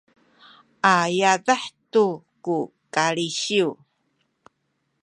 a yadah tu ku kalisiw